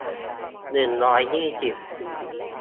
หนึ่งร้อยยี่สิบ